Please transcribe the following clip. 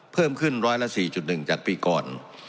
เพิ่มขึ้นร้อยละ๔๑จากปีก่อน